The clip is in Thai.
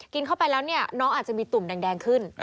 กินเข้าไปแล้วน้องอาจจะมีตุ่มแดงขึ้น